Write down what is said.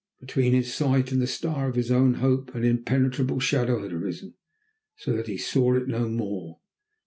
Between his sight and the star of his own hope an impenetrable shadow had arisen, so that he saw it no more.